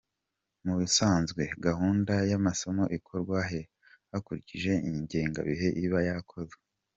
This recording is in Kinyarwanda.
Mu bisanzwe, gahunda y’amasomo ikorwa hakurikije ingengabihe iba yakozwe.